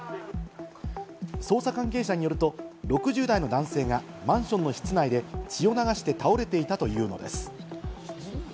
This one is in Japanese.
捜査関係者によると６０代の男性がマンションの室内で血を流して倒れていたというのです。